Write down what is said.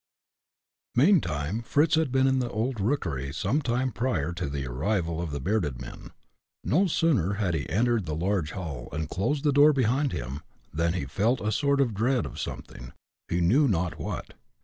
Meantime Fritz had been in the old rookery some time prior to the arrival of the bearded men. No sooner had he entered the large hall, and closed the door behind him, than he felt a sort of dread of something, he knew not what.